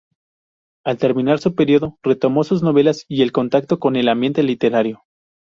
Al terminar su periodo, retomó sus novelas y el contacto con el ambiente literario.